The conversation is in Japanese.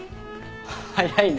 早いね。